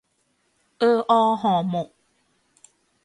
เออออห่อหมก